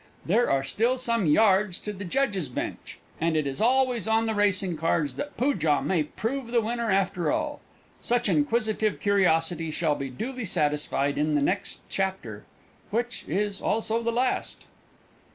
There are still some yards to the judge's bench, and it is always on the racing cards that Poojah may prove the winner after all. Such inquisitive curiosity shall be duly satisfied in the next chapter, which is also the last.